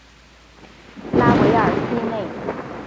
拉韦尔西内。